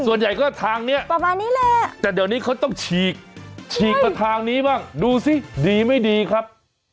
ส่วนใหญ่ก็ทางนี้ประมาณนี้แหละแต่เดี๋ยวนี้เขาต้องฉีกฉีกมาทางนี้บ้างดูสิดีไม่ดีครับ